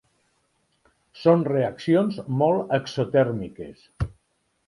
Són reaccions molt exotèrmiques.